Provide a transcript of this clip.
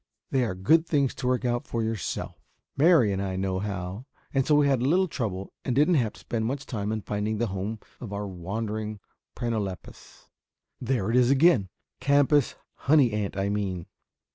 They are good things to work out for yourself. Mary and I know how, and so we had little trouble and didn't have to spend much time in finding the home of our wandering Prenolepis, there it is again, campus honey ant I mean.